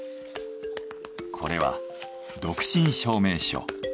これは独身証明書。